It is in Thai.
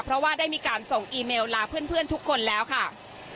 เพราะว่าได้มีการส่งอีเมลลาเพื่อนทุกคนแล้วค่ะ